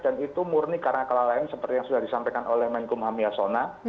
dan itu murni karena kelalaian seperti yang sudah disampaikan oleh menkum hamiyasona